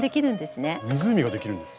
湖ができるんです？